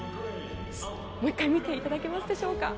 もう１回見ていただけますでしょうか。